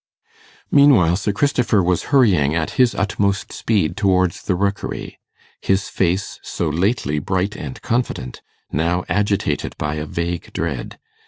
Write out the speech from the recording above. Meanwhile Sir Christopher was hurrying at his utmost speed towards the Rookery; his face, so lately bright and confident, now agitated by a vague dread.